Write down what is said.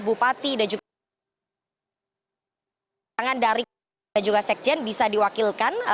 bupati dan juga sekjen bisa diwakilkan